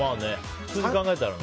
普通に考えたらね。